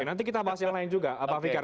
nanti kita bahas yang lain juga pak fikar